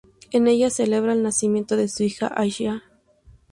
En ella, celebra el nacimiento de su hija, Aisha.